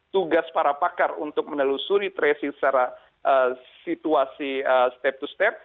tugas para pakar untuk menelusuri tracing secara situasi step to step